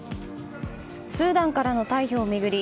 スーダンからの退避を巡り